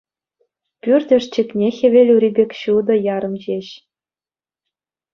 Пӳрт ӑшчикне хӗвел ури пек ҫутӑ ярӑм ҫеҫ.